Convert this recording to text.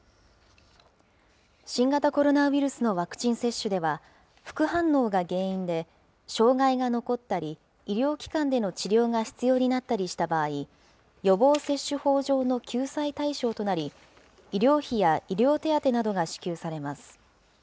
新型コロナウイルスのワクチン接種では、副反応が原因で障害が残ったり、医療機関での治療が必要になったりした場合、予防接種法上の救済対象となり、医療費や医療手当などが支給されます。